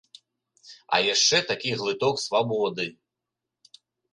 А яшчэ такі глыток свабоды.